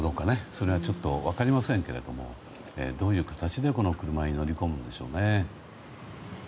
それはちょっと分かりませんけどもどういう形で車に乗り込むんでしょうね。